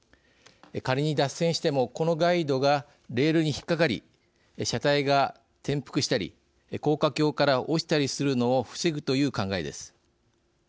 仮に脱線してもこのガイドがレールに引っ掛かり車体が転覆したり高架橋から落ちたりするのを防ぐという考えです。